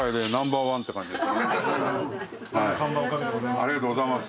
ありがとうございます。